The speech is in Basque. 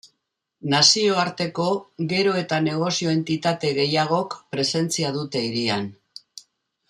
Nazioarteko gero eta negozio-entitate gehiagok presentzia dute hirian.